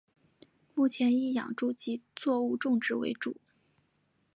目前以养猪及作物种植为主。